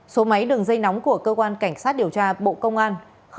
số máy đường dây nóng của cơ quan cảnh sát điều tra bộ công an